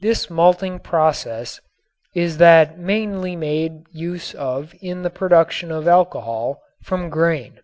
This malting process is that mainly made use of in the production of alcohol from grain.